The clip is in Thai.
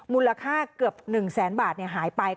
มูลค่าเกือบ๑แสนบาทหายไป